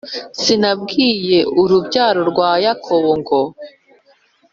sinabwiye urubyaro rwa yakobo ngo